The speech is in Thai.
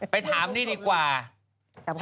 ไปถามนี่ดีกว่า